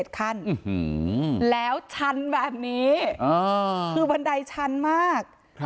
คันแล้วชันแบบนี้คือบันไดชันมาก